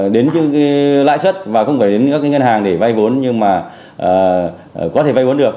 đến cái lãi suất và không phải đến các ngân hàng để vay vốn nhưng mà có thể vay vốn được